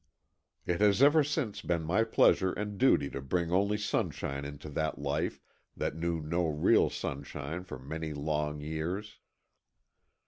It has ever since been my pleasure and duty to bring only sunshine into that life that knew no real sunshine for many long years.